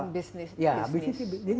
karena memang bisnis